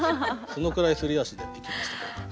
そのくらいすり足で行きました。